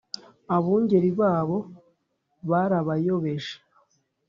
Abungeri babo barabayobeje